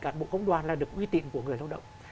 cản bộ công đoàn là được uy tịnh của người lao động